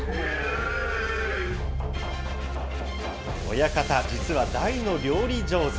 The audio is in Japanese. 親方、実は大の料理上手。